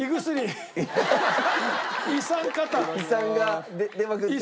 胃酸が出まくってる？